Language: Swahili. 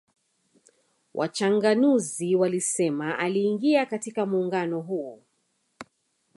Wachanganuzi walisema aliingia katika muungano huo